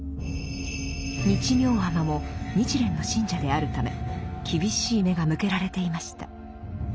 日妙尼も日蓮の信者であるため厳しい目が向けられていました。